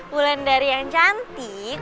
mulai dari yang cantik